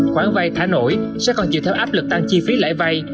khoản vay thả nổi sẽ còn chịu theo áp lực tăng chi phí lãi vay